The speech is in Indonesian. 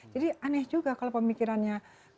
jadi aneh juga kalau pemikirannya kpk